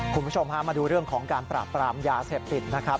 คุณผู้ชมฮะมาดูเรื่องของการปราบปรามยาเสพติดนะครับ